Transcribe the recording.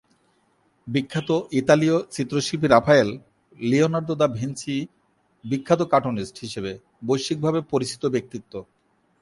বিখ্যাত ইতালীয় চিত্রশিল্পী রাফায়েল, লিওনার্দো দ্য ভিঞ্চি বিখ্যাত কার্টুনিস্ট হিসেবে বৈশ্বিকভাবে পরিচিত ব্যক্তিত্ব।